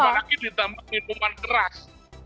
apalagi ditambah minuman keras